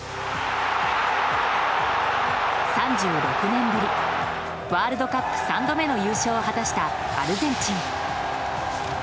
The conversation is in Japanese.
３６年ぶりワールドカップ３度目の優勝を果たしたアルゼンチン。